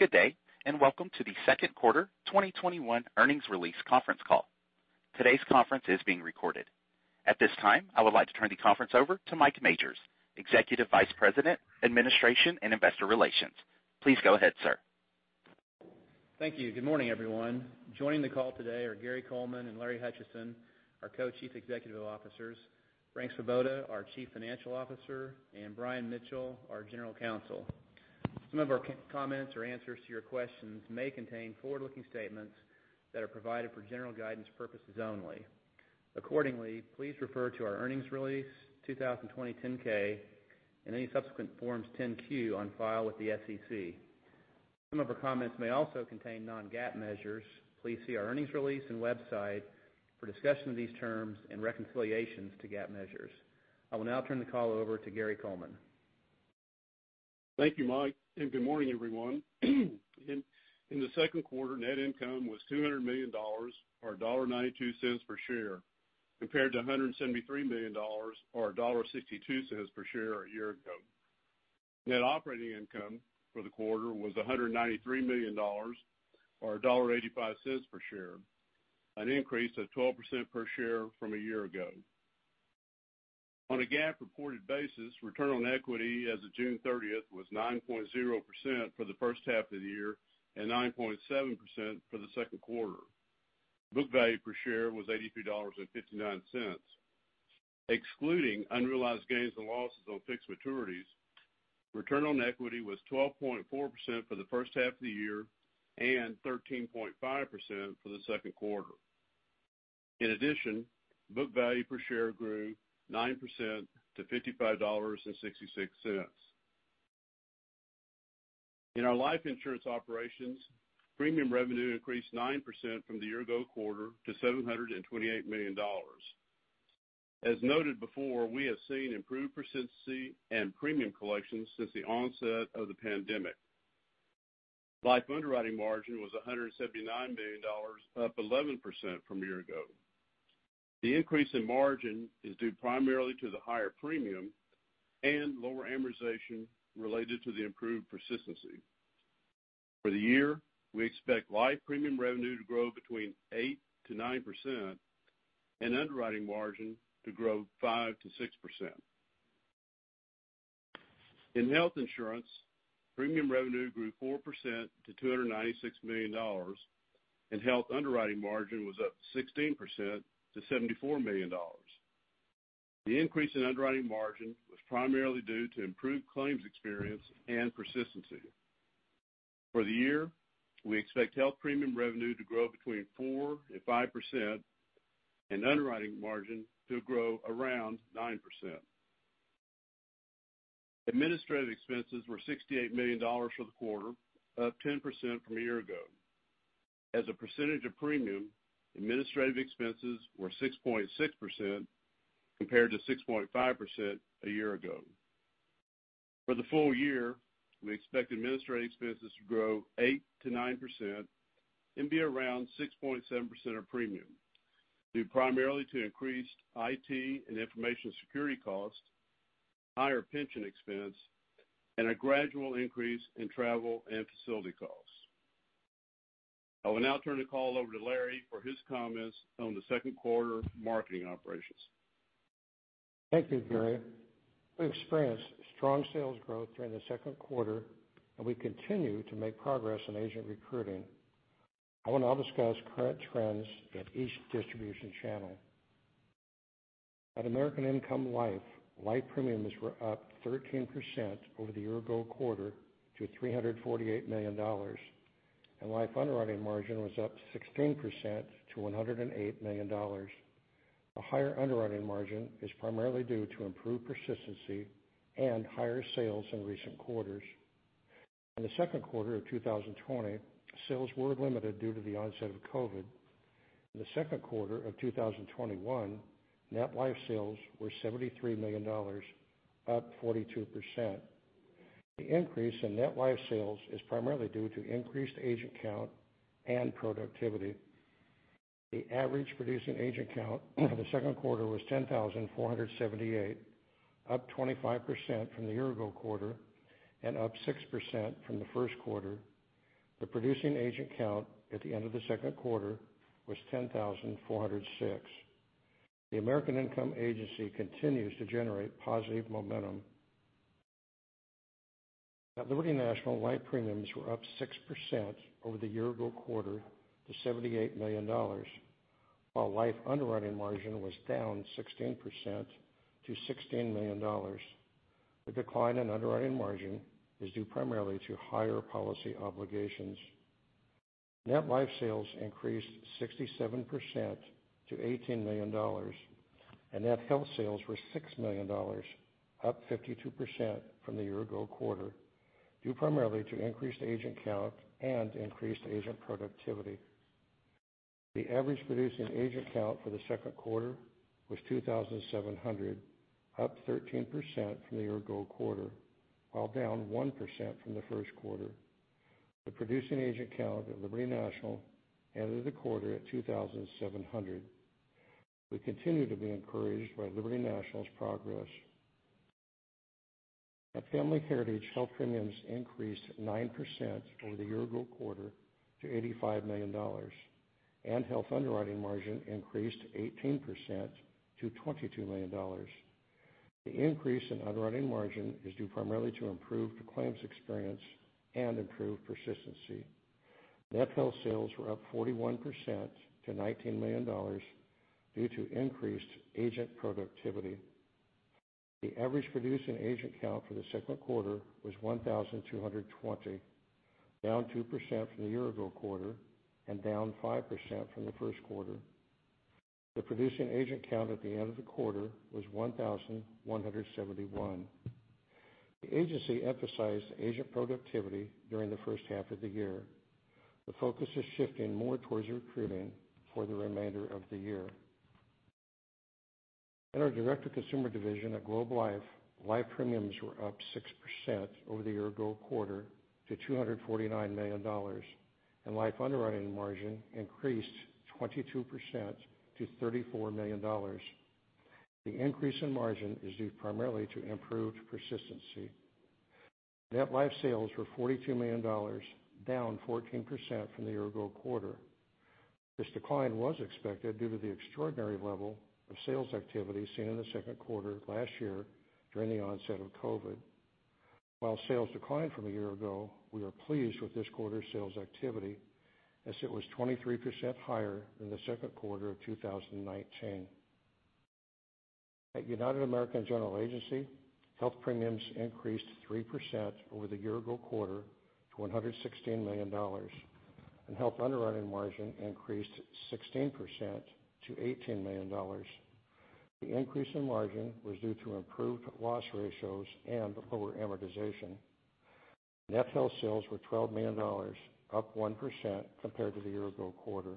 Good day. Welcome to the second quarter 2021 earnings release conference call. Today's conference is being recorded. At this time, I would like to turn the conference over to Mike Majors, Executive Vice President, Administration, and Investor Relations. Please go ahead, sir. Thank you. Good morning, everyone. Joining the call today are Gary Coleman and Larry Hutchison, our Co-Chief Executive Officers, Frank Svoboda, our Chief Financial Officer, and Brian Mitchell, our General Counsel. Some of our comments or answers to your questions may contain forward-looking statements that are provided for general guidance purposes only. Accordingly, please refer to our earnings release 2020 10-K, and any subsequent Forms 10-Q on file with the SEC. Some of our comments may also contain non-GAAP measures. Please see our earnings release and website for discussion of these terms and reconciliations to GAAP measures. I will now turn the call over to Gary Coleman. Thank you, Mike, and good morning, everyone. In the second quarter, net income was $200 million, or $1.92 per share, compared to $173 million, or $1.62 per share a year ago. Net operating income for the quarter was $193 million, or $1.85 per share, an increase of 12% per share from a year ago. On a GAAP reported basis, return on equity as of June 30th was 9.0% for the first half of the year and 9.7% for the second quarter. Book value per share was $83.59. Excluding unrealized gains and losses on fixed maturities, return on equity was 12.4% for the first half of the year and 13.5% for the second quarter. In addition, book value per share grew 9% to $55.66. In our life insurance operations, premium revenue increased 9% from the year ago quarter to $728 million. As noted before, we have seen improved persistency and premium collections since the onset of the pandemic. Life underwriting margin was $179 million, up 11% from a year ago. The increase in margin is due primarily to the higher premium and lower amortization related to the improved persistency. For the year, we expect life premium revenue to grow between 8%-9% and underwriting margin to grow 5%-6%. In health insurance, premium revenue grew 4% to $296 million, and health underwriting margin was up 16% to $74 million. The increase in underwriting margin was primarily due to improved claims experience and persistency. For the year, we expect health premium revenue to grow between 4% and 5% and underwriting margin to grow around 9%. Administrative expenses were $68 million for the quarter, up 10% from a year ago. As a percentage of premium, administrative expenses were 6.6% compared to 6.5% a year ago. For the full year, we expect administrative expenses to grow 8%-9% and be around 6.7% of premium, due primarily to increased IT and information security costs, higher pension expense, and a gradual increase in travel and facility costs. I will now turn the call over to Larry for his comments on the second quarter marketing operations. Thank you, Gary. We experienced strong sales growth during the second quarter, and we continue to make progress in agent recruiting. I want to now discuss current trends at each distribution channel. At American Income Life, life premiums were up 13% over the year-ago quarter to $348 million, and life underwriting margin was up 16% to $108 million. A higher underwriting margin is primarily due to improved persistency and higher sales in recent quarters. In the second quarter of 2020, sales were limited due to the onset of COVID. In the second quarter of 2021, net life sales were $73 million, up 42%. The increase in net life sales is primarily due to increased agent count and productivity. The average producing agent count for the second quarter was 10,478, up 25% from the year-ago quarter and up 6% from the first quarter. The producing agent count at the end of the second quarter was 10,406. The American Income agency continues to generate positive momentum. At Liberty National, life premiums were up 6% over the year ago quarter to $78 million, while life underwriting margin was down 16% to $16 million. The decline in underwriting margin is due primarily to higher policy obligations. Net life sales increased 67% to $18 million, and net health sales were $6 million, up 52% from the year ago quarter, due primarily to increased agent count and increased agent productivity. The average producing agent count for the second quarter was 2,700, up 13% from the year ago quarter, while down 1% from the first quarter. The producing agent count at Liberty National ended the quarter at 2,700. We continue to be encouraged by Liberty National's progress. At Family Heritage, health premiums increased 9% over the year-ago quarter to $85 million, and health underwriting margin increased 18% to $22 million. The increase in underwriting margin is due primarily to improved claims experience and improved persistency. Net health sales were up 41% to $19 million due to increased agent productivity. The average producing agent count for the second quarter was 1,220, down 2% from the year-ago quarter and down 5% from the first quarter. The producing agent count at the end of the quarter was 1,171. The agency emphasized agent productivity during the first half of the year. The focus is shifting more towards recruiting for the remainder of the year. In our direct-to-consumer division at Globe Life, life premiums were up 6% over the year-ago quarter to $249 million, and life underwriting margin increased 22% to $34 million. The increase in margin is due primarily to improved persistency. Net life sales were $42 million, down 14% from the year-ago quarter. This decline was expected due to the extraordinary level of sales activity seen in the second quarter last year during the onset of COVID. While sales declined from a year ago, we are pleased with this quarter's sales activity as it was 23% higher than the second quarter of 2019. At United American General Agency, health premiums increased 3% over the year-ago quarter to $116 million, and health underwriting margin increased 16% to $18 million. The increase in margin was due to improved loss ratios and lower amortization. Net health sales were $12 million, up 1% compared to the year-ago quarter.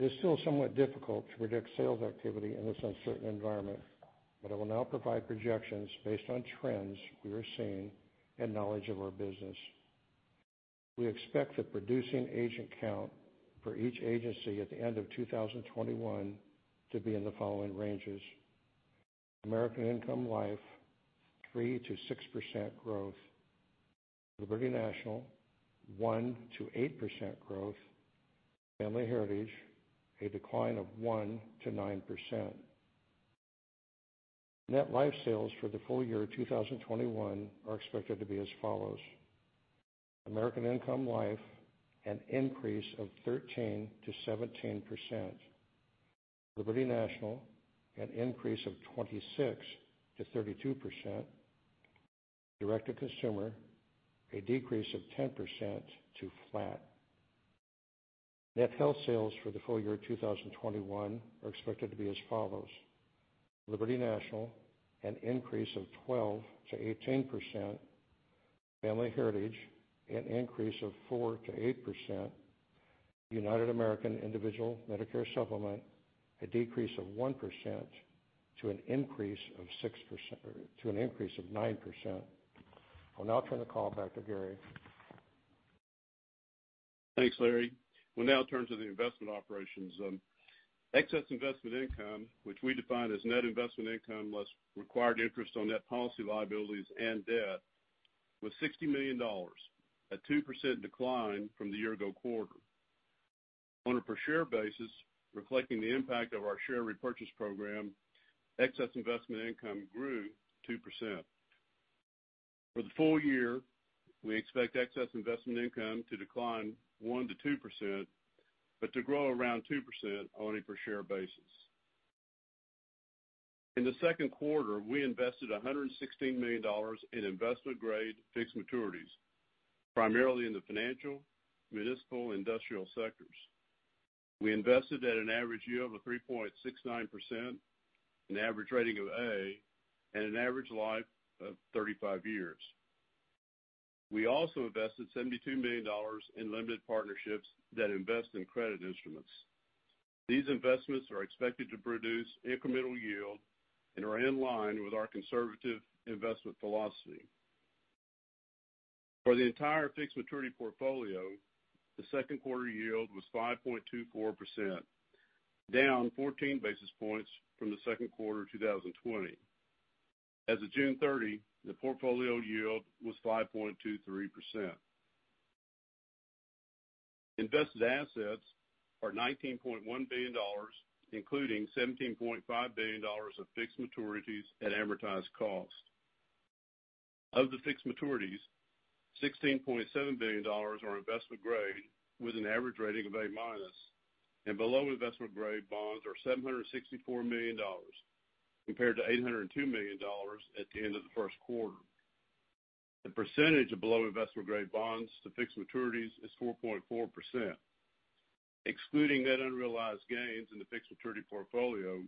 It is still somewhat difficult to predict sales activity in this uncertain environment, but I will now provide projections based on trends we are seeing and knowledge of our business. We expect the producing agent count for each agency at the end of 2021 to be in the following ranges: American Income Life, 3%-6% growth; Liberty National, 1%-8% growth; Family Heritage, a decline of 1%-9%. Net life sales for the full year 2021 are expected to be as follows: American Income Life, an increase of 13%-17%; Liberty National, an increase of 26%-32%; direct-to-consumer, a decrease of 10% to flat. Net health sales for the full year 2021 are expected to be as follows: Liberty National, an increase of 12%-18%; Family Heritage, an increase of 4%-8%; United American Individual Medicare Supplement, a decrease of 1% to an increase of 9%. I'll now turn the call back to Gary. Thanks, Larry. We'll now turn to the investment operations. Excess investment income, which we define as net investment income less required interest on net policy liabilities and debt, was $60 million, a 2% decline from the year-ago quarter. On a per share basis, reflecting the impact of our share repurchase program, excess investment income grew 2%. For the full year, we expect excess investment income to decline 1%-2%, but to grow around 2% on a per share basis. In the second quarter, we invested $116 million in investment-grade fixed maturities, primarily in the financial, municipal, industrial sectors. We invested at an average yield of 3.69%, an average rating of A, and an average life of 35 years. We also invested $72 million in limited partnerships that invest in credit instruments. These investments are expected to produce incremental yield and are in line with our conservative investment philosophy. For the entire fixed maturity portfolio, the second quarter yield was 5.24%, down 14 basis points from the second quarter 2020. As of June 30, the portfolio yield was 5.23%. Invested assets are $19.1 billion, including $17.5 billion of fixed maturities at amortized cost. Of the fixed maturities, $16.7 billion are investment grade with an average rating of A-, and below investment-grade bonds are $764 million compared to $802 million at the end of the first quarter. The percentage of below investment-grade bonds to fixed maturities is 4.4%. Excluding net unrealized gains in the fixed maturity portfolio,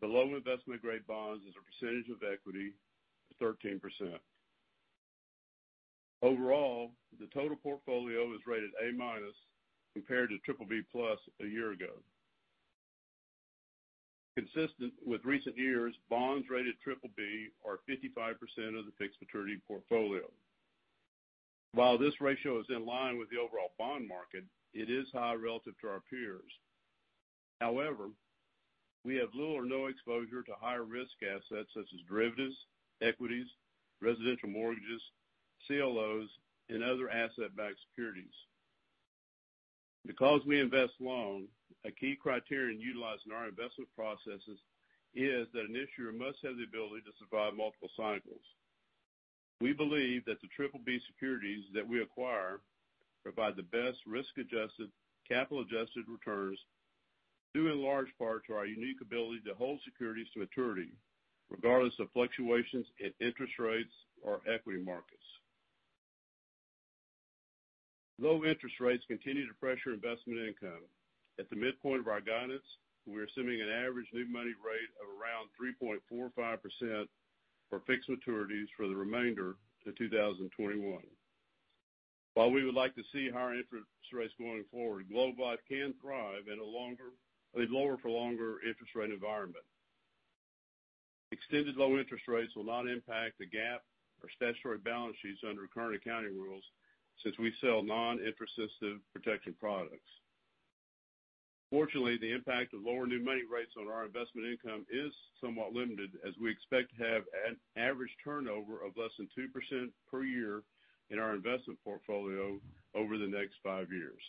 below investment-grade bonds as a percentage of equity is 13%. Overall, the total portfolio is rated A- compared to BBB+ a year ago. Consistent with recent years, bonds rated BBB are 55% of the fixed maturity portfolio. While this ratio is in line with the overall bond market, it is high relative to our peers. However, we have little or no exposure to higher-risk assets such as derivatives, equities, residential mortgages, CLOs, and other asset-backed securities. We invest long, a key criterion utilized in our investment processes is that an issuer must have the ability to survive multiple cycles. We believe that the BBB securities that we acquire provide the best risk-adjusted, capital-adjusted returns due in large part to our unique ability to hold securities to maturity, regardless of fluctuations in interest rates or equity markets. Low interest rates continue to pressure investment income. At the midpoint of our guidance, we are assuming an average new money rate of around 3.45% for fixed maturities for the remainder to 2021. While we would like to see higher interest rates going forward, Globe Life can thrive in a lower-for-longer interest rate environment. Extended low interest rates will not impact the GAAP or statutory balance sheets under current accounting rules since we sell non-interest sensitive protection products. Fortunately, the impact of lower new money rates on our investment income is somewhat limited, as we expect to have an average turnover of less than 2% per year in our investment portfolio over the next five years.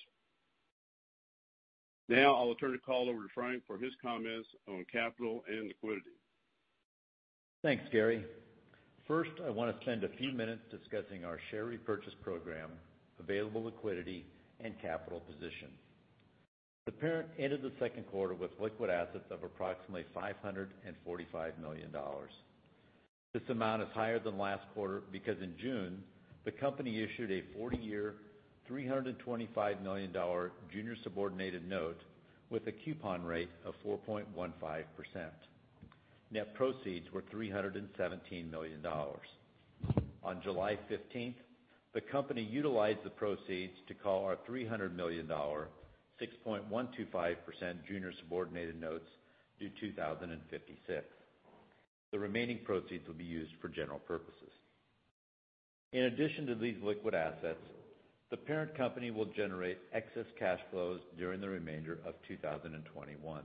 Now I will turn the call over to Frank for his comments on capital and liquidity. Thanks, Gary. First, I want to spend a few minutes discussing our share repurchase program, available liquidity, and capital position. The parent ended the second quarter with liquid assets of approximately $545 million. This amount is higher than last quarter because in June, the company issued a 40-year, $325 million junior subordinated note with a coupon rate of 4.15%. Net proceeds were $317 million. On July 15th, the company utilized the proceeds to call our $300 million 6.125% junior subordinated notes due 2056. The remaining proceeds will be used for general purposes. In addition to these liquid assets, the parent company will generate excess cash flows during the remainder of 2021.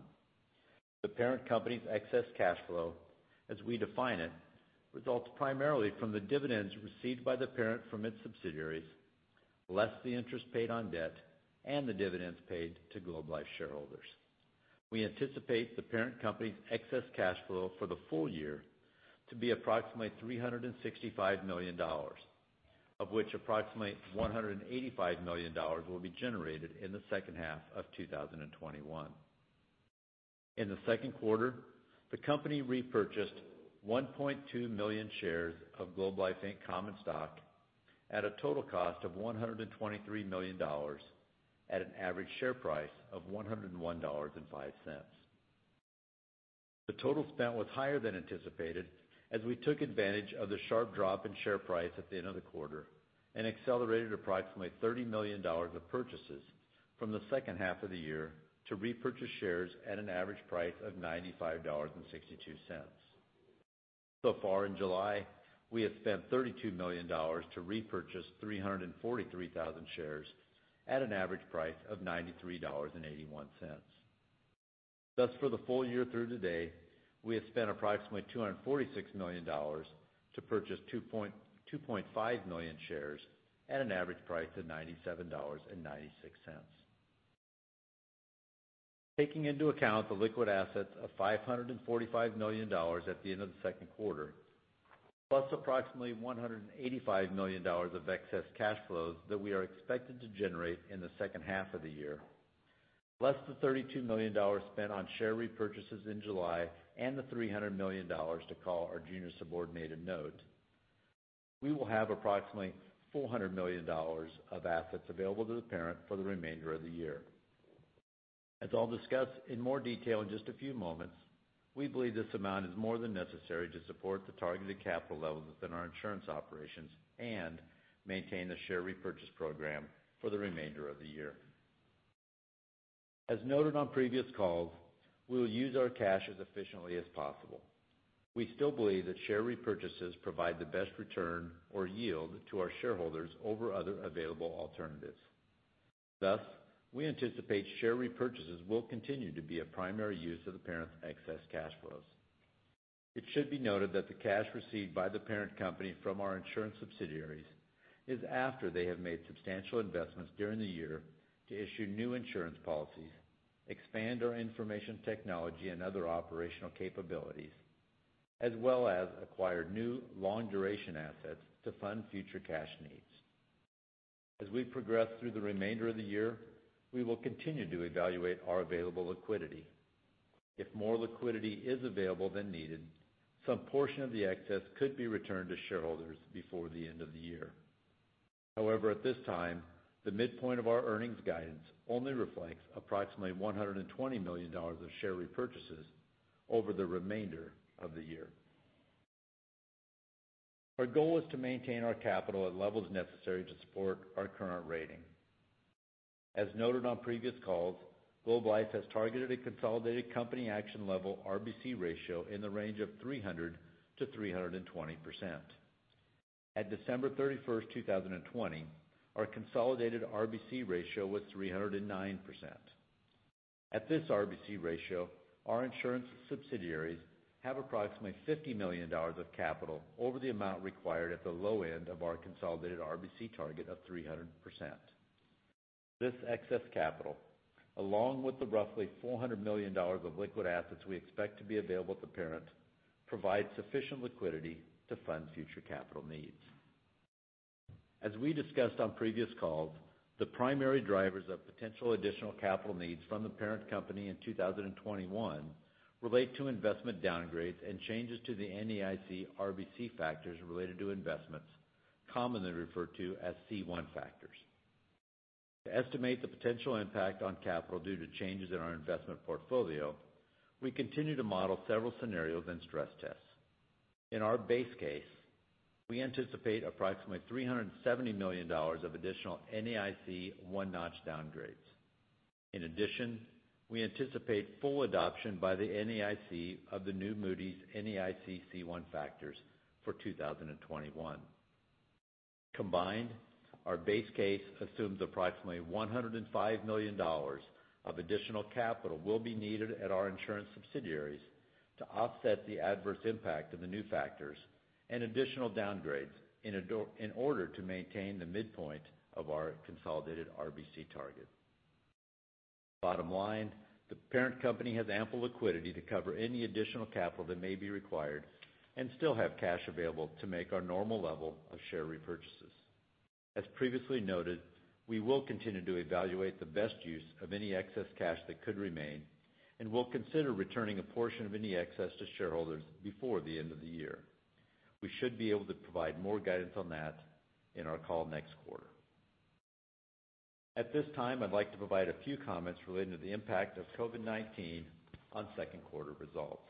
The parent company's excess cash flow, as we define it, results primarily from the dividends received by the parent from its subsidiaries, less the interest paid on debt and the dividends paid to Globe Life shareholders. We anticipate the parent company's excess cash flow for the full year to be approximately $365 million, of which approximately $185 million will be generated in the second half of 2021. In the second quarter, the company repurchased 1.2 million shares of Globe Life Inc. common stock at a total cost of $123 million at an average share price of $101.05. The total spent was higher than anticipated, as we took advantage of the sharp drop in share price at the end of the quarter and accelerated approximately $30 million of purchases from the second half of the year to repurchase shares at an average price of $95.62. So far in July, we have spent $32 million to repurchase 343,000 shares at an average price of $93.81. Thus, for the full year through today, we have spent approximately $246 million to purchase 2.5 million shares at an average price of $97.96. Taking into account the liquid assets of $545 million at the end of the second quarter, plus approximately $185 million of excess cash flows that we are expected to generate in the second half of the year, less the $32 million spent on share repurchases in July and the $300 million to call our junior subordinated note, we will have approximately $400 million of assets available to the parent for the remainder of the year. As I'll discuss in more detail in just a few moments, we believe this amount is more than necessary to support the targeted capital levels within our insurance operations and maintain the share repurchase program for the remainder of the year. As noted on previous calls, we will use our cash as efficiently as possible. We still believe that share repurchases provide the best return or yield to our shareholders over other available alternatives. Thus, we anticipate share repurchases will continue to be a primary use of the parent's excess cash flows. It should be noted that the cash received by the parent company from our insurance subsidiaries is after they have made substantial investments during the year to issue new insurance policies, expand our information technology and other operational capabilities, as well as acquire new long-duration assets to fund future cash needs. As we progress through the remainder of the year, we will continue to evaluate our available liquidity. If more liquidity is available than needed, some portion of the excess could be returned to shareholders before the end of the year. However, at this time, the midpoint of our earnings guidance only reflects approximately $120 million of share repurchases over the remainder of the year. Our goal is to maintain our capital at levels necessary to support our current rating. As noted on previous calls, Globe Life has targeted a consolidated company action level RBC ratio in the range of 300%-320%. At December 31st, 2020, our consolidated RBC ratio was 309%. At this RBC ratio, our insurance subsidiaries have approximately $50 million of capital over the amount required at the low end of our consolidated RBC target of 300%. This excess capital, along with the roughly $400 million of liquid assets we expect to be available at the parent, provide sufficient liquidity to fund future capital needs. As we discussed on previous calls, the primary drivers of potential additional capital needs from the parent company in 2021 relate to investment downgrades and changes to the NAIC RBC factors related to investments, commonly referred to as C1 factors. To estimate the potential impact on capital due to changes in our investment portfolio, we continue to model several scenarios and stress tests. In our base case, we anticipate approximately $370 million of additional NAIC one-notch downgrades. In addition, we anticipate full adoption by the NAIC of the new Moody's NAIC C1 factors for 2021. Combined, our base case assumes approximately $105 million of additional capital will be needed at our insurance subsidiaries to offset the adverse impact of the new factors and additional downgrades in order to maintain the midpoint of our consolidated RBC target. Bottom line, the parent company has ample liquidity to cover any additional capital that may be required and still have cash available to make our normal level of share repurchases. As previously noted, we will continue to evaluate the best use of any excess cash that could remain and will consider returning a portion of any excess to shareholders before the end of the year. We should be able to provide more guidance on that in our call next quarter. At this time, I'd like to provide a few comments relating to the impact of COVID-19 on second quarter results.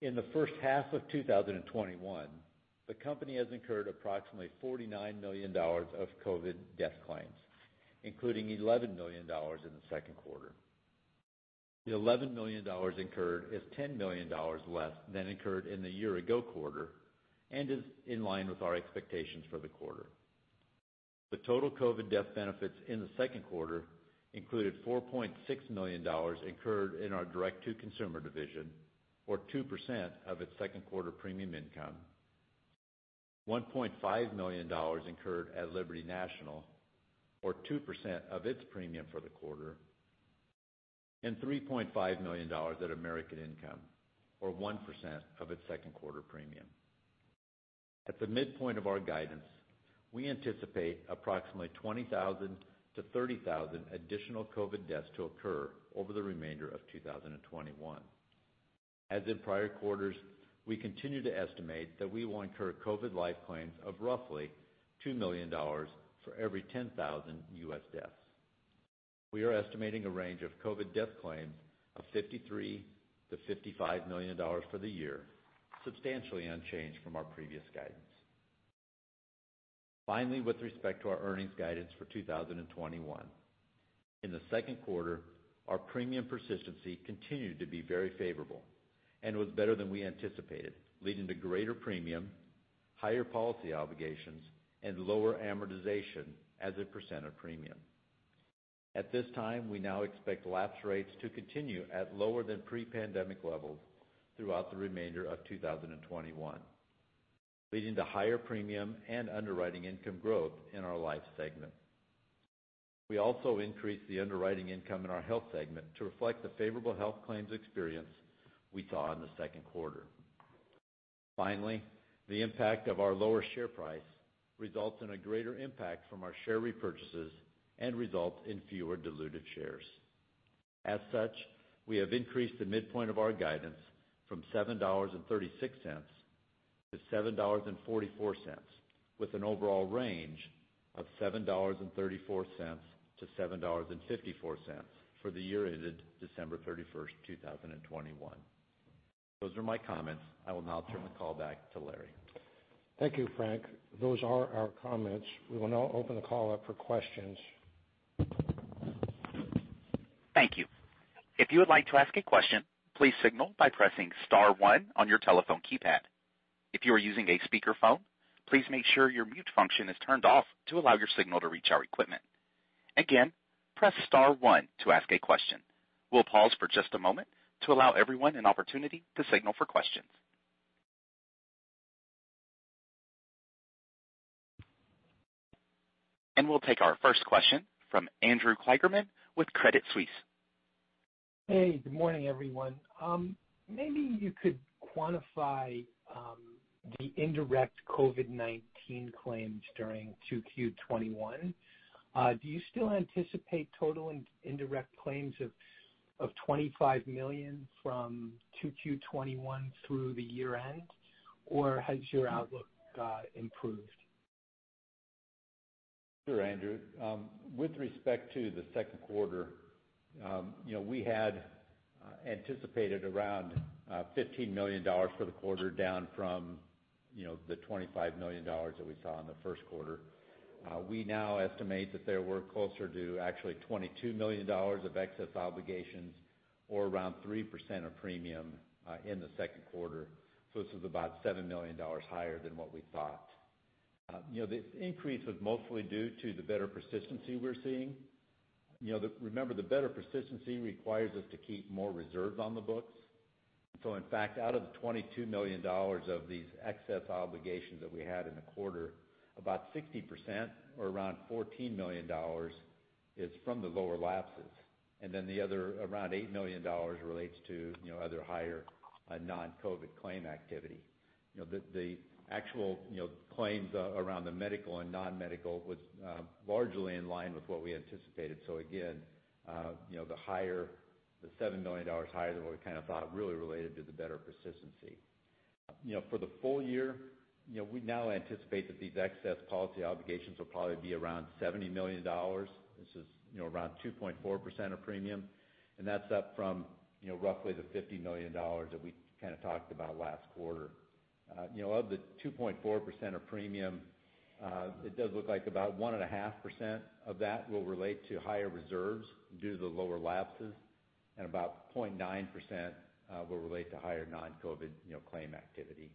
In the first half of 2021, the company has incurred approximately $49 million of COVID death claims, including $11 million in the second quarter. The $11 million incurred is $10 million less than incurred in the year ago quarter and is in line with our expectations for the quarter. The total COVID death benefits in the second quarter included $4.6 million incurred in our direct-to-consumer division, or 2% of its second quarter premium income, $1.5 million incurred at Liberty National, or 2% of its premium for the quarter, and $3.5 million at American Income, or 1% of its second quarter premium. At the midpoint of our guidance, we anticipate approximately 20,000-30,000 additional COVID deaths to occur over the remainder of 2021. As in prior quarters, we continue to estimate that we will incur COVID life claims of roughly $2 million for every 10,000 U.S. deaths. We are estimating a range of COVID death claims of $53 million-$55 million for the year, substantially unchanged from our previous guidance. Finally, with respect to our earnings guidance for 2021, in the second quarter, our premium persistency continued to be very favorable and was better than we anticipated, leading to greater premium, higher policy obligations, and lower amortization as a percent of premium. At this time, we now expect lapse rates to continue at lower than pre-pandemic levels throughout the remainder of 2021, leading to higher premium and underwriting income growth in our life segment. We also increased the underwriting income in our health segment to reflect the favorable health claims experience we saw in the second quarter. Finally, the impact of our lower share price results in a greater impact from our share repurchases and results in fewer diluted shares. As such, we have increased the midpoint of our guidance from $7.36 to $7.44, with an overall range of $7.34-$7.54 for the year ended December 31st, 2021. Those are my comments. I will now turn the call back to Larry. Thank you, Frank. Those are our comments. We will now open the call up for questions. Thank you. If you'd like to ask a question, please signal by pressing star one on your telephone keypad. If you're using a speaker phone, please make sure your mute function is turned off to allow your signal to reach our equipment. Again, press star one to ask a question. We'll pause for just a moment to allow everyone the opportunity to signal for questions. We'll take our first question from Andrew Kligerman with Credit Suisse. Hey, good morning, everyone. Maybe, you could quantify the indirect COVID-19 claims during 2Q 2021. Do you still anticipate total indirect claims of $25 million from 2Q 2021 through the year-end, or has your outlook improved? Sure, Andrew. With respect to the second quarter, we had anticipated around $15 million for the quarter down from the $25 million that we saw in the first quarter. We now estimate that there were closer to actually $22 million of excess obligations or around 3% of premium in the second quarter. This is about $7 million higher than what we thought. This increase was mostly due to the better persistency we're seeing. Remember, the better persistency requires us to keep more reserves on the books. In fact, out of the $22 million of these excess obligations that we had in the quarter, about 60% or around $14 million is from the lower lapses. The other, around $8 million relates to other higher non-COVID claim activity. The actual claims around the medical and non-medical was largely in line with what we anticipated. Again, the $7 million higher than what we kind of thought really related to the better persistency. For the full year, we now anticipate that these excess policy obligations will probably be around $70 million. This is around 2.4% of premium, and that's up from roughly the $50 million that we kind of talked about last quarter. Of the 2.4% of premium, it does look like about 1.5% of that will relate to higher reserves due to the lower lapses, and about 0.9% will relate to higher non-COVID claim activity.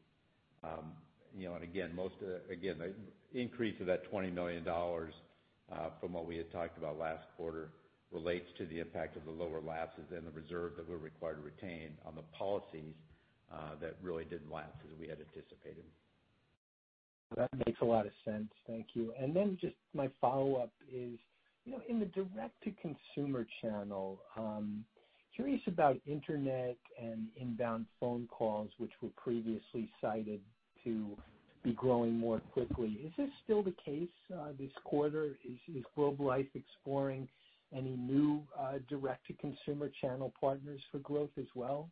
Again, the increase of that $20 million from what we had talked about last quarter relates to the impact of the lower lapses and the reserve that we're required to retain on the policies that really didn't lapse as we had anticipated. That makes a lot of sense. Thank you. Just my follow-up is, in the direct-to-consumer channel, curious about internet and inbound phone calls, which were previously cited to be growing more quickly. Is this still the case this quarter? Is Globe Life exploring any new direct-to-consumer channel partners for growth as well?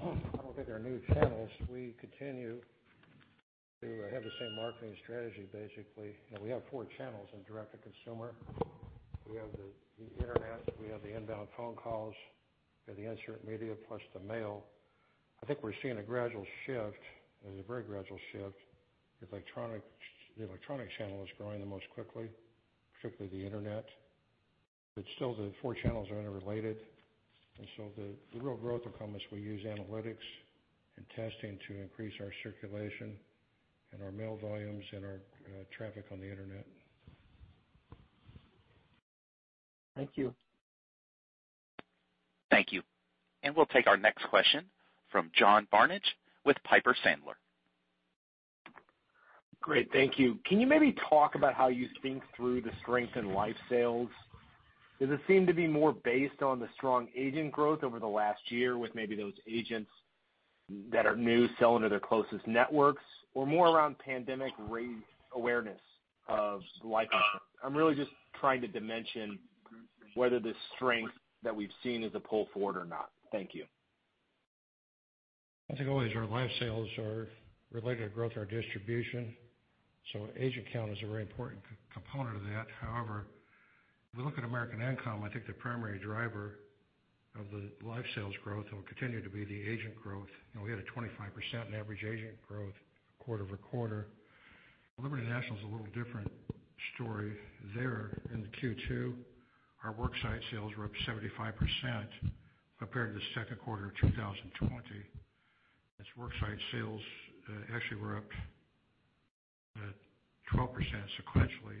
I don't think they are new channels. We continue to have the same marketing strategy, basically. We have four channels in direct-to-consumer. We have the internet, we have the inbound phone calls, we have the insert media, plus the mail. I think we're seeing a gradual shift, a very gradual shift. The electronic channel is growing the most quickly, particularly the internet. Still, the four channels are interrelated, and so the real growth will come as we use analytics and testing to increase our circulation and our mail volumes and our traffic on the internet. Thank you. Thank you. We'll take our next question from John Barnidge with Piper Sandler. Great. Thank you. Can you maybe talk about how you think through the strength in life sales? Does it seem to be more based on the strong agent growth over the last year with maybe those agents that are new selling to their closest networks or more around pandemic raised awareness of life insurance? I'm really just trying to dimension whether the strength that we've seen is a pull forward or not. Thank you. I think always our life sales are related to growth to our distribution, so agent count is a very important component of that. However, if we look at American Income, I think the primary driver of the life sales growth will continue to be the agent growth. We had a 25% in average agent growth quarter-over-quarter. Liberty National is a little different story there in the Q2. Our worksite sales were up 75% compared to the second quarter of 2020, as worksite sales actually were up at 12% sequentially.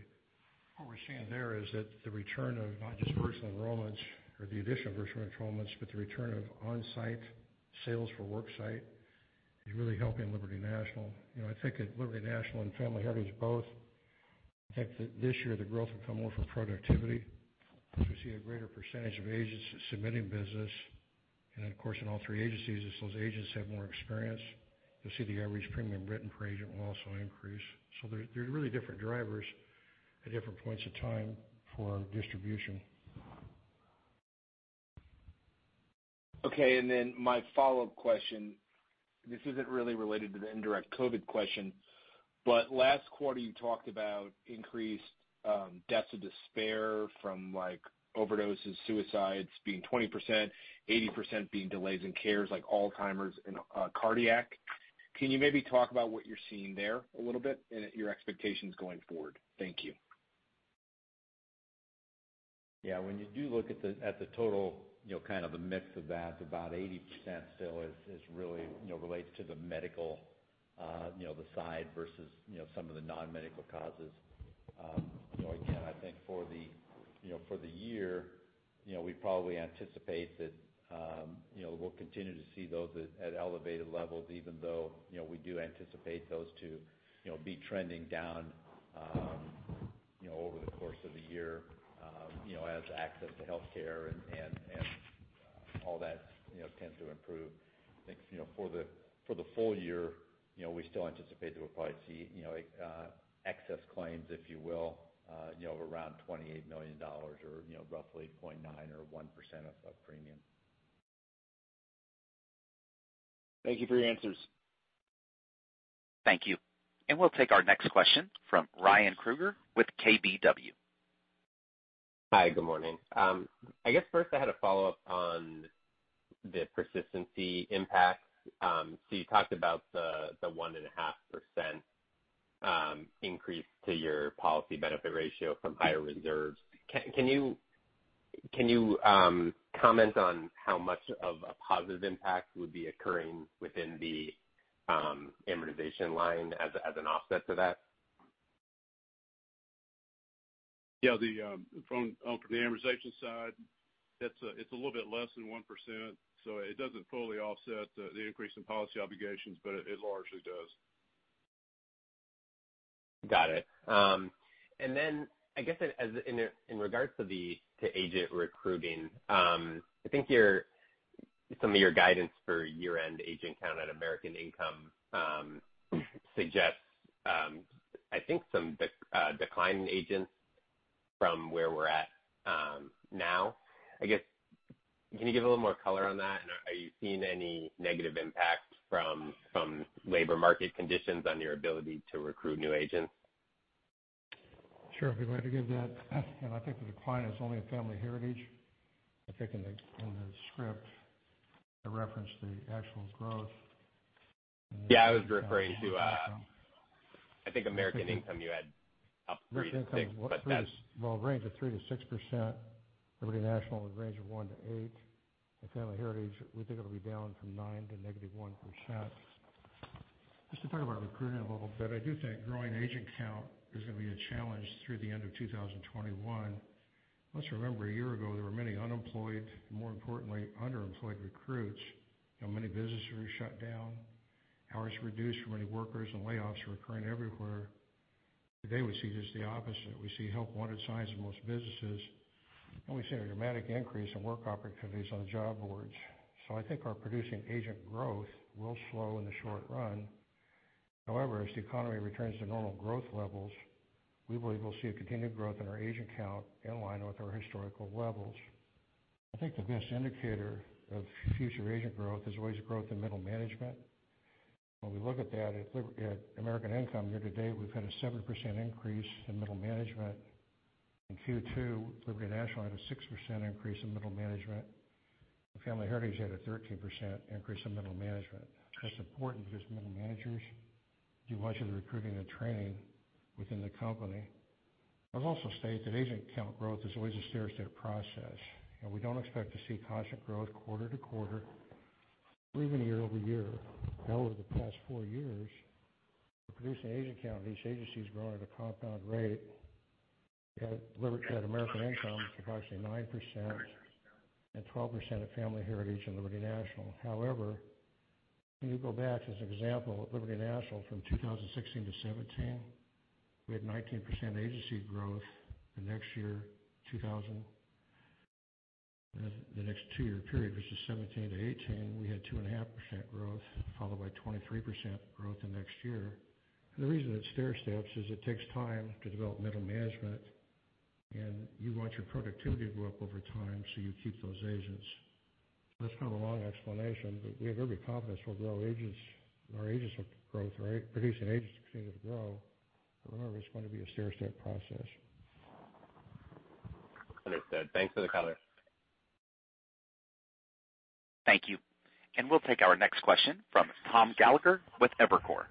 We're seeing there is that the return of not just virtual enrollments or the addition of virtual enrollments, but the return of on-site sales for worksite is really helping Liberty National. I think at Liberty National and Family Heritage both, I think that this year the growth will come more from productivity as we see a greater percentage of agents submitting business. Then, of course, in all three agencies, as those agents have more experience, you'll see the average premium written per agent will also increase. There's really different drivers at different points of time for distribution. Okay, my follow-up question, this isn't really related to the indirect COVID question, but last quarter you talked about increased deaths of despair from overdoses, suicides being 20%, 80% being delays in cares like Alzheimer's and cardiac. Can you maybe talk about what you're seeing there a little bit and your expectations going forward? Thank you. Yeah, when you do look at the total kind of the mix of that, about 80% still really relates to the medical side versus some of the non-medical causes. I think for the year, we probably anticipate that we'll continue to see those at elevated levels, even though we do anticipate those to be trending down over the course of the year as access to healthcare and all that tends to improve. I think for the full year, we still anticipate that we'll probably see excess claims, if you will, of around $28 million or roughly 0.9% or 1% of premium. Thank you for your answers. Thank you. We'll take our next question from Ryan Krueger with KBW. Hi, good morning. I guess first I had a follow-up on the persistency impact. You talked about the 1.5% increase to your policy benefit ratio from higher reserves. Can you comment on how much of a positive impact would be occurring within the amortization line as an offset to that? Yeah, from the amortization side, it's a little bit less than 1%, so it doesn't fully offset the increase in policy obligations, but it largely does. Got it. I guess, in regards to agent recruiting, I think some of your guidance for year-end agent count at American Income suggests, I think, some decline in agents from where we're at now. I guess, can you give a little more color on that? Are you seeing any negative impact from labor market conditions on your ability to recruit new agents? Sure, if you'd like to give that. I think the decline is only in Family Heritage. I think in the script, I referenced the actual growth. Yeah, I was referring to, I think American Income, you had up 3%-6%. Well, a range of 3%-6%. Liberty National was a range of 1%-8%. At Family Heritage, we think it'll be down from 9% to -1%. Just to talk about recruiting a little bit, I do think growing agent count is going to be a challenge through the end of 2021. Let's remember, a year ago, there were many unemployed, more importantly, underemployed recruits, and many businesses were shut down, hours reduced for many workers, and layoffs were occurring everywhere. Today, we see just the opposite. We see help wanted signs in most businesses, and we see a dramatic increase in work opportunities on job boards. I think our producing agent growth will slow in the short run. However, as the economy returns to normal growth levels, we believe we'll see a continued growth in our agent count in line with our historical levels. I think the best indicator of future agent growth is always growth in middle management. When we look at that at American Income year-to-date, we've had a 7% increase in middle management. In Q2, Liberty National had a 6% increase in middle management, and Family Heritage had a 13% increase in middle management. That's important because middle managers do much of the recruiting and training within the company. I've also stated that agent count growth is always a stair-step process, and we don't expect to see constant growth quarter-to-quarter or even year-over-year. Now, over the past four years, our producing agent count at these agencies growing at a compound rate at American Income is approximately 9% and 12% at Family Heritage and Liberty National. However, when you go back as an example at Liberty National from 2016 to 2017, we had 19% agency growth. The next two-year period, which is 2017-2018, we had 2.5% growth, followed by 23% growth the next year. The reason it's stair-steps is it takes time to develop middle management, and you want your productivity to go up over time, so you keep those agents. That's kind of a long explanation, but we have every confidence we'll grow agents. Our agents have growth rate, producing agents continue to grow. Remember, it's going to be a stair-step process. Understood. Thanks for the color. Thank you. We'll take our next question from Tom Gallagher with Evercore.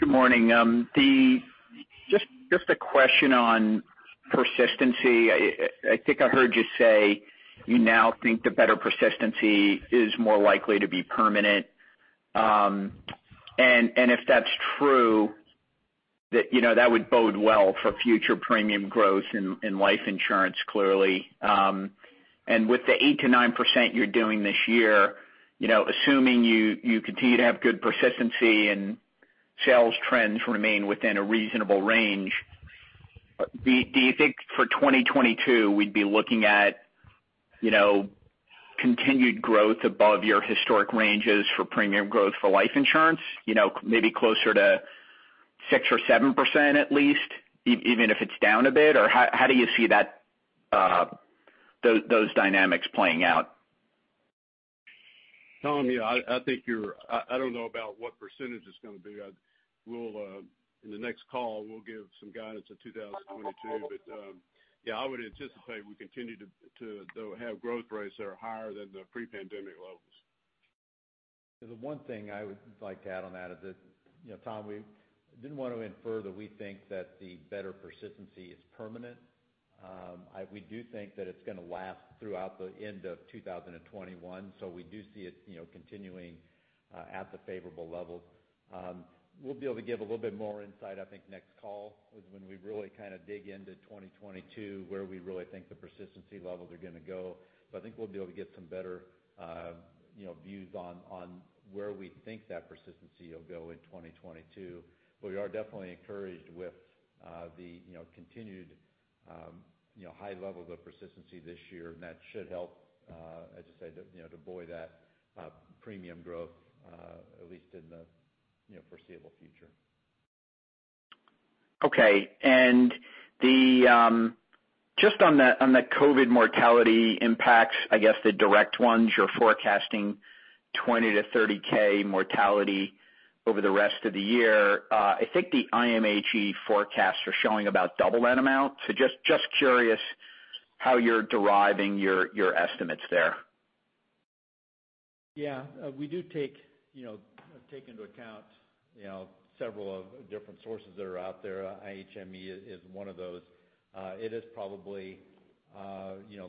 Good morning. Just a question on persistency. I think I heard you say you now think the better persistency is more likely to be permanent. If that's true, that would bode well for future premium growth in life insurance, clearly. With the 8%-9% you're doing this year, assuming you continue to have good persistency and sales trends remain within a reasonable range, do you think for 2022, we'd be looking at continued growth above your historic ranges for premium growth for life insurance? Maybe closer to 6% or 7% at least, even if it's down a bit? How do you see those dynamics playing out? Tom, I don't know about what percentage it's going to be. In the next call, we'll give some guidance of 2022. Yeah, I would anticipate we continue to have growth rates that are higher than the pre-pandemic levels. The one thing I would like to add on that is that Tom, we didn't want to infer that we think that the better persistency is permanent. We do think that it's going to last throughout the end of 2021. We do see it continuing at the favorable level. We'll be able to give a little bit more insight, I think, next call is when we really kind of dig into 2022, where we really think the persistency levels are going to go. I think we'll be able to get some better views on where we think that persistency will go in 2022. We are definitely encouraged with the continued high levels of persistency this year, and that should help, as you say, to buoy that premium growth at least in the foreseeable future. Okay. Just on the COVID mortality impacts, I guess the direct ones, you're forecasting 20,000-30,000 mortality over the rest of the year. I think the IHME forecasts are showing about double that amount. Just curious how you're deriving your estimates there. Yeah. We do take into account several of different sources that are out there. IHME is one of those. It is probably,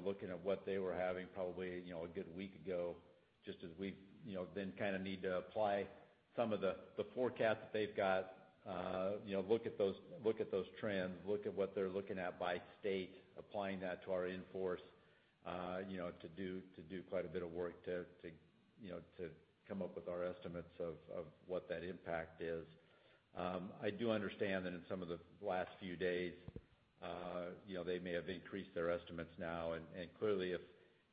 looking at what they were having probably a good week ago, just as we've then kind of need to apply some of the forecast that they've got, look at those trends, look at what they're looking at by state, applying that to our in-force, to do quite a bit of work to come up with our estimates of what that impact is. I do understand that in some of the last few days, they may have increased their estimates now. Clearly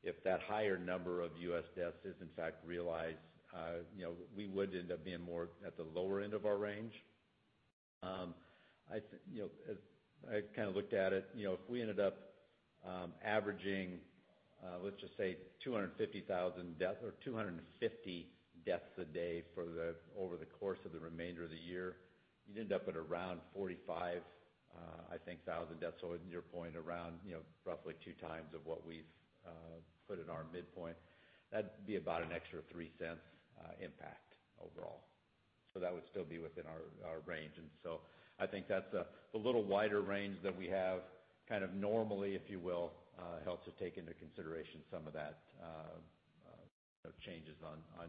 if that higher number of U.S. deaths is in fact realized, we would end up being more at the lower end of our range. I kind of looked at it, if we ended up averaging, let's just say 250 deaths a day over the course of the remainder of the year, you'd end up at around 45,000, I think, deaths. In your point around, roughly 2x of what we've put in our midpoint, that'd be about an extra $0.03 impact overall. That would still be within our range. I think that's a little wider range than we have kind of normally, if you will, help to take into consideration some of that changes on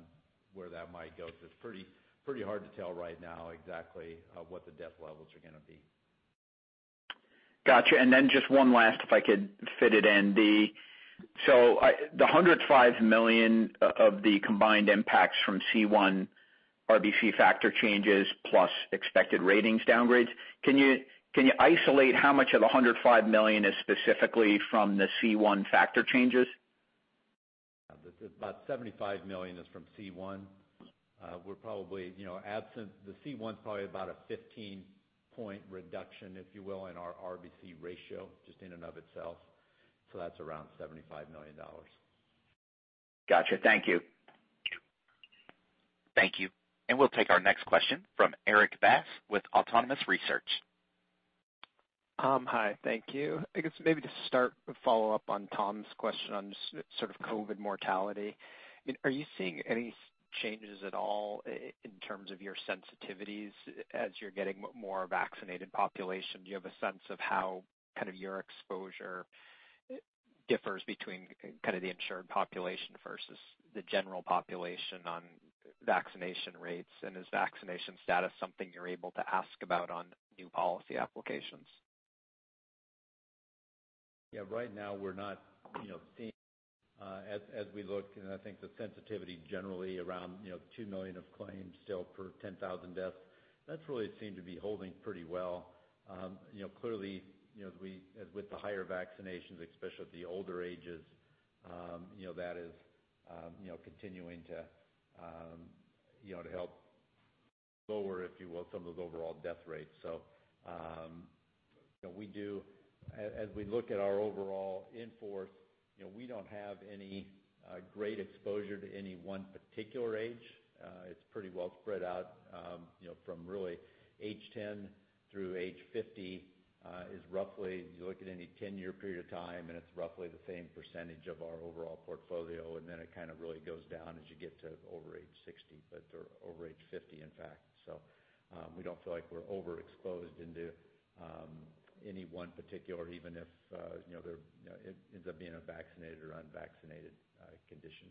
where that might go, because it's pretty hard to tell right now exactly what the death levels are going to be. Got you. Just one last, if I could fit it in. The $105 million of the combined impacts from C1 RBC factor changes plus expected ratings downgrades, can you isolate how much of the $105 million is specifically from the C1 factor changes? About $75 million is from C1. The C1's probably about a 15-point reduction, if you will, in our RBC ratio, just in and of itself. That's around $75 million. Got you. Thank you. Thank you. We'll take our next question from Erik Bass with Autonomous Research. Hi. Thank you. I guess maybe to start a follow-up on Tom's question on just sort of COVID mortality. Are you seeing any changes at all in terms of your sensitivities as you're getting more vaccinated population? Do you have a sense of how kind of your exposure differs between kind of the insured population versus the general population on vaccination rates? Is vaccination status something you're able to ask about on new policy applications? Yeah. Right now, we're not seeing as we look, and I think the sensitivity generally around $2 million of claims still per 10,000 deaths. That's really seemed to be holding pretty well. As with the higher vaccinations, especially at the older ages, that is continuing to help lower, if you will, some of those overall death rates. As we look at our overall in-force, we don't have any great exposure to any one particular age. It's pretty well spread out, from really age 10 through age 50. You look at any 10-year period of time, and it's roughly the same percentage of our overall portfolio, and then it kind of really goes down as you get to over age 60, or over age 50, in fact. We don't feel like we're overexposed into any one particular, even if it ends up being a vaccinated or unvaccinated condition.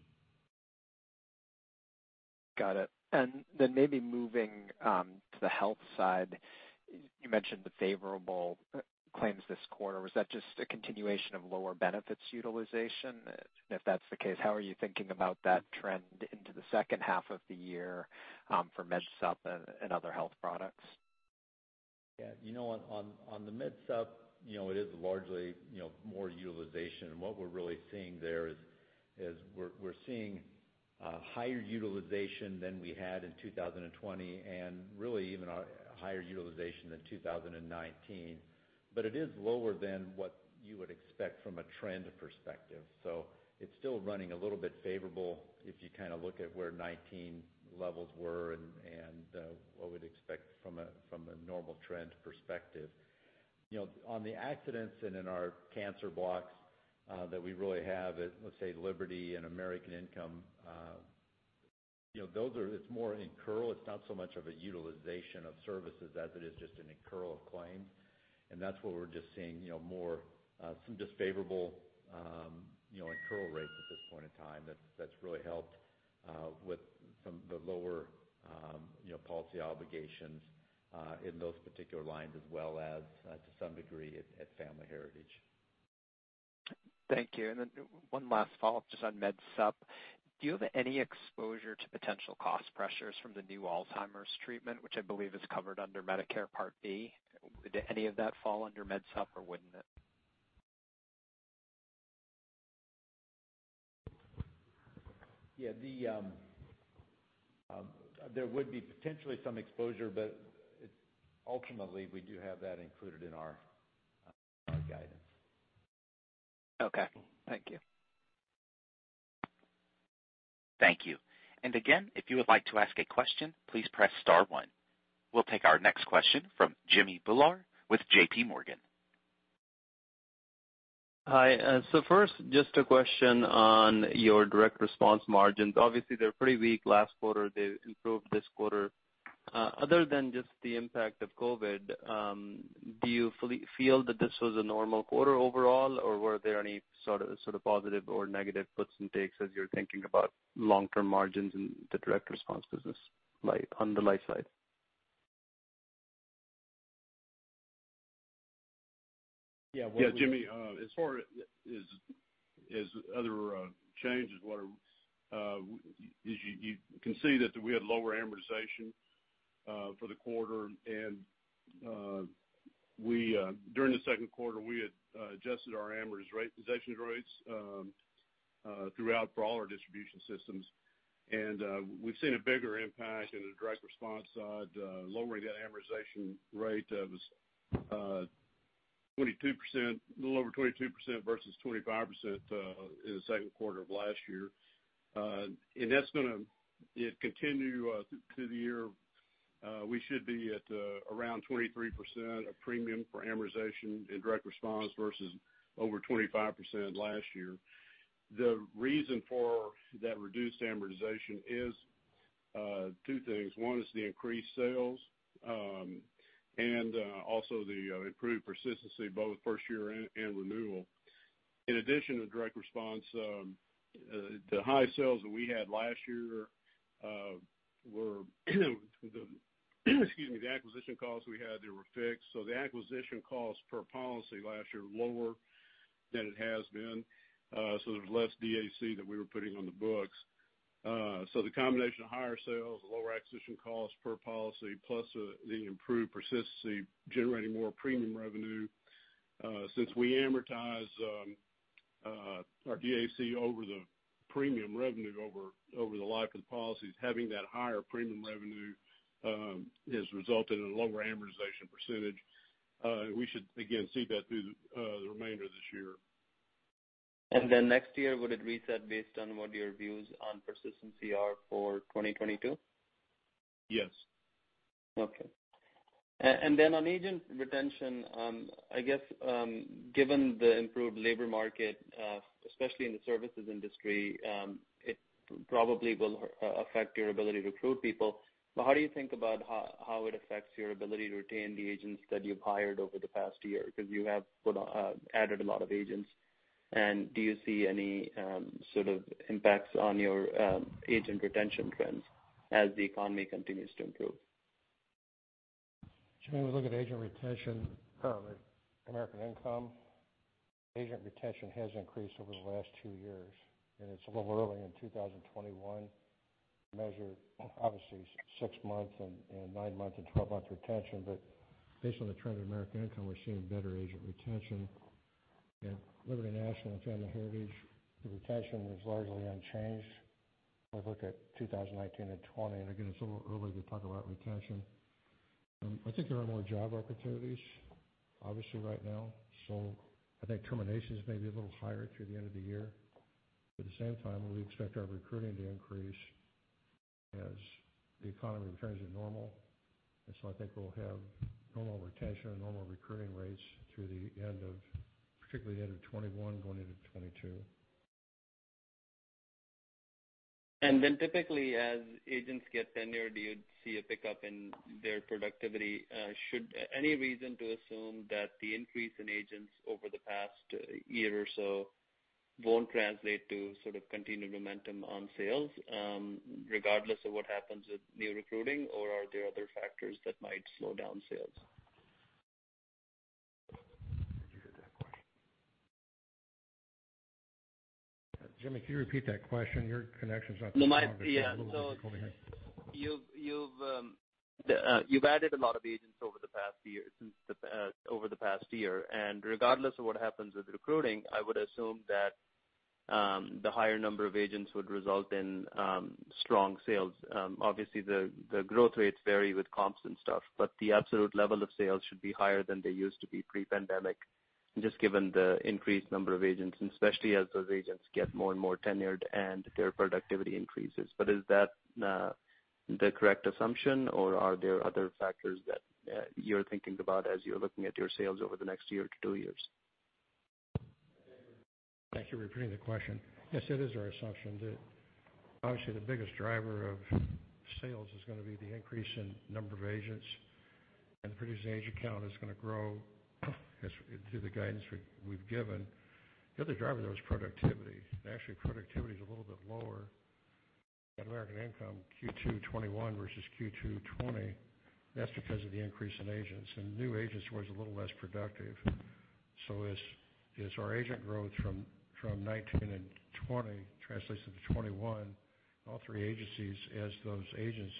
Got it. Maybe moving to the health side, you mentioned the favorable claims this quarter. Was that just a continuation of lower benefits utilization? If that's the case, how are you thinking about that trend into the second half of the year for Med Supp and other health products? On the Med Supp, it is largely more utilization, and what we're really seeing there is we're seeing higher utilization than we had in 2020 and really even a higher utilization than 2019. It is lower than what you would expect from a trend perspective. It's still running a little bit favorable if you kind of look at where 2019 levels were and what we'd expect from a normal trend perspective. On the accidents, and in our cancer blocks that we really have at, let's say, Liberty and American Income, it's more an incurral. It's not so much of a utilization of services as it is just an incurral of claim. That's where we're just seeing some disfavorables incurral rates at this point in time that's really helped with some of the lower policy obligations in those particular lines as well as, to some degree, at Family Heritage. Thank you. One last follow-up just on Med Supp. Do you have any exposure to potential cost pressures from the new Alzheimer's treatment, which I believe is covered under Medicare Part B? Would any of that fall under Med Supp, or wouldn't it? Yeah, there would be potentially some exposure, but ultimately, we do have that included in our guidance. Okay. Thank you. Thank you. Again, if you would like to ask a question, please press star one. We'll take our next question from Jimmy Bhullar with JPMorgan. Hi. First, just a question on your direct response margins. Obviously, they were pretty weak last quarter. They've improved this quarter. Other than just the impact of COVID, do you feel that this was a normal quarter overall, or were there any sort of positive or negative puts and takes as you're thinking about long-term margins in the direct response business on the life side? Yeah. Jimmy, as far as other changes, you can see that we had lower amortization for the quarter, and during the second quarter, we had adjusted our amortization rates throughout for all our distribution systems. We've seen a bigger impact in the direct response side, lowering that amortization rate of a little over 22% versus 25% in the second quarter of last year. That's going to continue through the year. We should be at around 23% of premium for amortization in direct response versus over 25% last year. The reason for that reduced amortization is two things. One is the increased sales, and also the improved persistency, both first year and renewal. In addition to direct response, the high sales that we had last year, excuse me, the acquisition costs we had, they were fixed. The acquisition cost per policy last year were lower than it has been. There's less DAC that we were putting on the books. The combination of higher sales, lower acquisition costs per policy, plus the improved persistency generating more premium revenue. Since we amortize our DAC over the premium revenue over the life of the policies, having that higher premium revenue has resulted in a lower amortization percentage. We should again see that through the remainder of this year. Next year, would it reset based on what your views on persistency are for 2022? Yes. Okay. On agent retention, I guess, given the improved labor market, especially in the services industry, it probably will affect your ability to recruit people. How do you think about how it affects your ability to retain the agents that you've hired over the past year? You have added a lot of agents. Do you see any sort of impacts on your agent retention trends as the economy continues to improve? Jimmy, we look at agent retention at American Income, agent retention has increased over the last two years, and it's a little early in 2021 to measure, obviously, six-month, and nine-month, and 12-month retention. Based on the trend of American Income, we're seeing better agent retention. At Liberty National and Family Heritage, the retention is largely unchanged as I look at 2019 and 2020. Again, it's a little early to talk about retention. I think there are more job opportunities, obviously, right now, so I think terminations may be a little higher through the end of the year. At the same time, we expect our recruiting to increase as the economy returns to normal. I think we'll have normal retention and normal recruiting rates through the end of, particularly end of 2021, going into 2022. Typically, as agents get tenured, do you see a pickup in their productivity? Should any reason to assume that the increase in agents over the past year or so won't translate to sort of continued momentum on sales, regardless of what happens with new recruiting, or are there other factors that might slow down sales? Jimmy, can you repeat that question? Your connection's not so good. Yeah. You've added a lot of agents over the past year. Regardless of what happens with recruiting, I would assume that the higher number of agents would result in strong sales. Obviously, the growth rates vary with comps and stuff, the absolute level of sales should be higher than they used to be pre-pandemic, just given the increased number of agents, and especially as those agents get more and more tenured and their productivity increases. Is that the correct assumption, or are there other factors that you're thinking about as you're looking at your sales over the next year to two years? Thank you for repeating the question. Yes, it is our assumption that obviously the biggest driver of sales is going to be the increase in number of agents, and producing agent count is going to grow as to the guidance we've given. The other driver, though, is productivity. Actually, productivity is a little bit lower at American Income Q2 2021 versus Q2 2020. That's because of the increase in agents, and new agents was a little less productive. As our agent growth from 2019 and 2020 translates into 2021, all three agencies, as those agents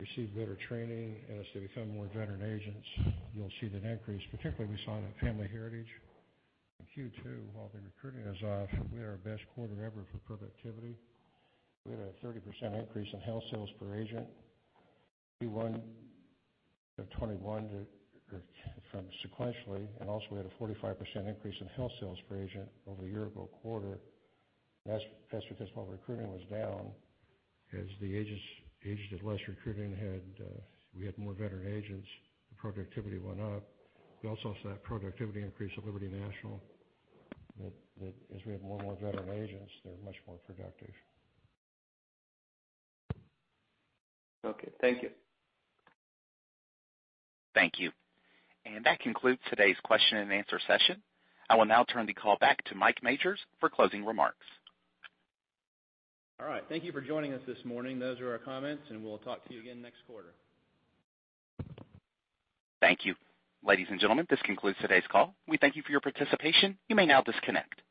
receive better training, as they become more veteran agents, you'll see that increase. Particularly, we saw it at Family Heritage in Q2. While the recruiting is off, we had our best quarter ever for productivity. We had a 30% increase in health sales per agent, Q1 2021 from sequentially, and also we had a 45% increase in health sales per agent over the year-ago quarter. That's because while recruiting was down, as the agents did less recruiting, we had more veteran agents, the productivity went up. We also saw that productivity increase at Liberty National, that as we have more and more veteran agents, they're much more productive. Okay. Thank you. Thank you. That concludes today's question and answer session. I will now turn the call back to Mike Majors for closing remarks. All right. Thank you for joining us this morning. Those are our comments, and we'll talk to you again next quarter. Thank you. Ladies and gentlemen, this concludes today's call. We thank you for your participation. You may now disconnect.